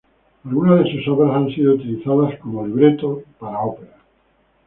Algunas de sus obras han sido utilizadas como libretos para óperas.